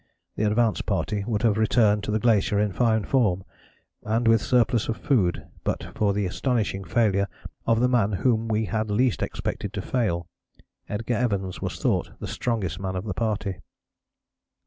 The advance party would have returned to the glacier in fine form and with surplus of food, but for the astonishing failure of the man whom we had least expected to fail. Edgar Evans was thought the strongest man of the party.